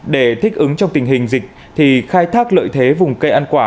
để thích ứng trong tình hình dịch thì khai thác lợi thế vùng cây ăn quả